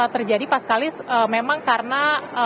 terjadi paskalis memang karena